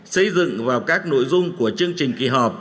xây dựng vào các nội dung của chương trình kỳ họp